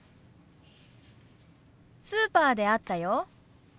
スーパーで会ったよ。